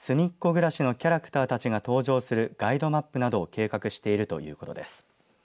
ぐらしのキャラクターたちが登場するガイドマップなどを計画しているということです。